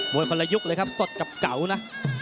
วยคนละยุคเลยครับสดกับเก๋านะ